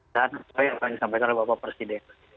dan saya akan menyampaikan kepada bapak presiden